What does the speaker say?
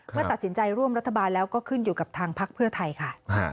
เมื่อตัดสินใจร่วมรัฐบาลแล้วก็ขึ้นอยู่กับทางพักเพื่อไทยค่ะ